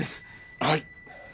はい！